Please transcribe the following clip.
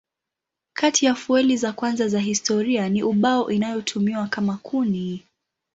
Kati ya fueli za kwanza za historia ni ubao inayotumiwa kama kuni.